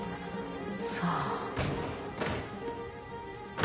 さあ。